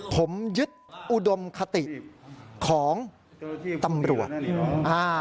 ผมยึดอุดมคติของตำรวจอ่า